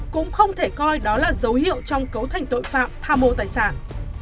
cũng không thể coi đó là dấu hiệu trong cấu thành tội phạm tha mô tài sản